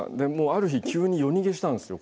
ある日、急に夜逃げしたんですよ